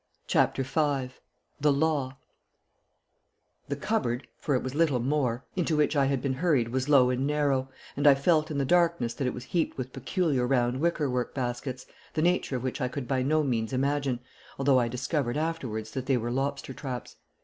CHAPTER V THE LAW The cupboard for it was little more into which I had been hurried was low and narrow, and I felt in the darkness that it was heaped with peculiar round wickerwork baskets, the nature of which I could by no means imagine, although I discovered afterwards that they were lobster traps.